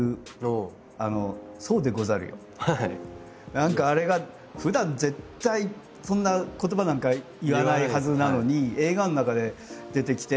何かあれがふだん絶対そんな言葉なんか言わないはずなのに映画の中で出てきて。